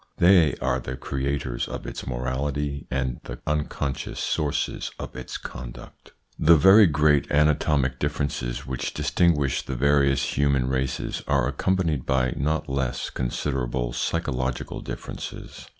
They are the creators of its morality and the unconscious sources of its conduct. The very great anatomic differences which dis tinguish the various human races are accompanied by not less considerable psychological differences.